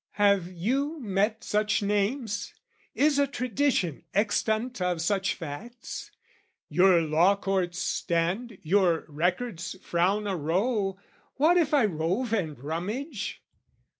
"Have you met such names? "Is a tradition extant of such facts? "Your law courts stand, your records frown a row: "What if I rove and rummage?"